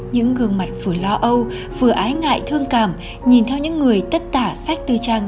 những gương mặt vừa lo âu vừa ái ngại thương cảm nhìn theo những người tất cả sách tư trang